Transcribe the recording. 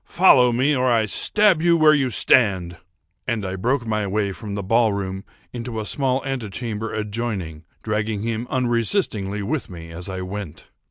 Follow me, or I stab you where you stand!"—and I broke my way from the ball room into a small ante chamber adjoining, dragging him unresistingly with me as I went.